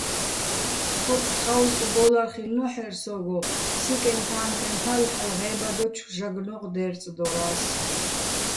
ჴო́წ ტყაუზტყ დო́ლარ ხილ'ნო́ჰ̦ერ სო́გო, "ფსიკეჼ-თანთეჼ ფალ" ჰ̦ალო̆ ღე́ბადოჩო̆ ჟაგნოღ დე́რწდორა́ს.